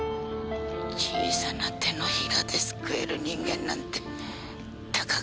小さな手のひらで救える人間なんてたかが知れてる。